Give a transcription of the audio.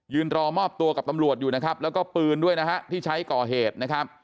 รอมอบตัวกับตำรวจอยู่นะครับแล้วก็ปืนด้วยนะฮะที่ใช้ก่อเหตุนะครับ